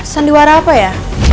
sanduara apa ya